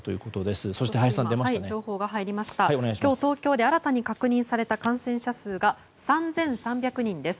今日、東京で新たに確認された感染者数が３３００人です。